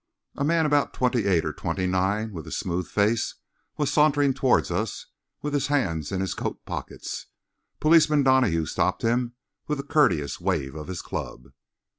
A man about twenty eight or twenty nine, with a smooth face, was sauntering toward us with his hands in his coat pockets. Policeman Donahue stopped him with a courteous wave of his club.